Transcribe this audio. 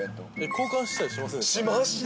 交換したりしませんでした？